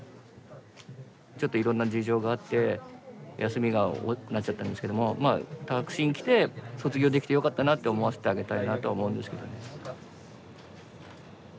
ちょっといろんな事情があって休みが多くなっちゃったんですけどもまあ拓真来て卒業できてよかったなって思わせてあげたいなと思うんですけどね。